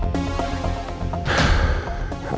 dan alhamdulillah berhasil